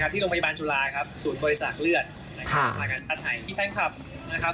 ที่โรงพยาบาลจุฬาครับศูนย์บริจาคเลือดนะครับอาการอันหายที่แฟนคลับนะครับ